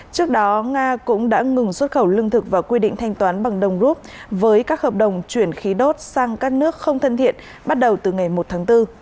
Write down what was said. trước đó nga cũng đã ngừng xuất khẩu lương thực và quy định thanh toán bằng đồng rút với các hợp đồng chuyển khí đốt sang các nước không thân thiện bắt đầu từ ngày một tháng bốn